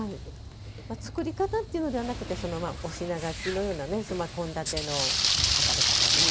作り方っていうのではなくお品書きのような献立の書かれ方ですけど。